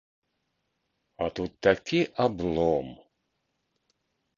А тут такі аблом.